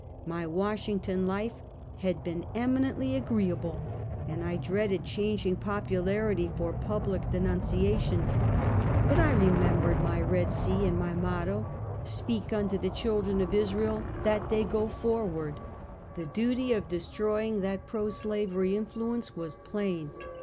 My "Washington life had been eminently agreeable, and I dreaded changing popularity for public denunciation. But I remem bered my Red Sea, and my motto —" Speak unto the children of Israel that they go forward." The duty 134 Half a Centuey. of destroying that pro slaveiy influence was plain.